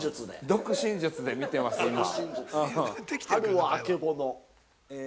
◆読心術で見てます、今。